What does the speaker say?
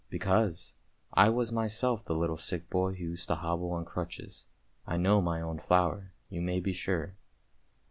" Because I was myself the little sick boy who used to hobble on crutches. I know my own flower, you may be sure."